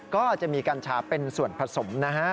ก็จะมีกัญชาเป็นส่วนผสมนะฮะ